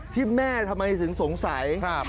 ที่แม่ทำไมถึงสงสัย